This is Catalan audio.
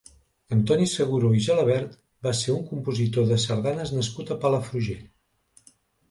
Antoni Seguro i Gelabert va ser un compositor de sardanes nascut a Palafrugell.